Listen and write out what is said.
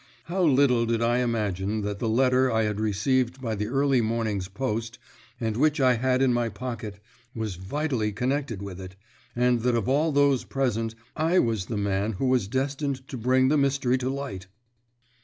How little did I imagine that the letter I had received by the early morning's post, and which I had in my pocket, was vitally connected with it, and that of all those present I was the man who was destined to bring the mystery to light!